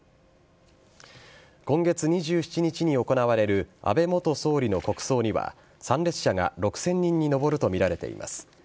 今月２７日に行われる安倍元総理の国葬には参列者が６０００人に上るとみられています。